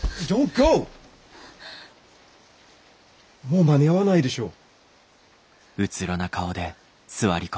もう間に合わないでしょう。